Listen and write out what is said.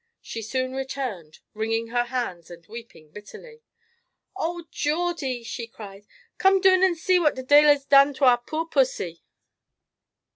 She soon returned, wringing her hands and weeping bitterly. "Oh! Geordie," she cried; "come doon and see what the deil has done to our poor pussy."